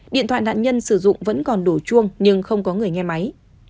điện thoại nạn nhân sử dụng vẫn còn đủ chuông nhưng không có người nghe máy